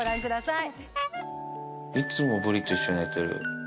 いつもぶりと一緒に寝てる。